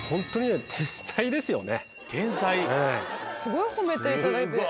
すごい褒めていただいて。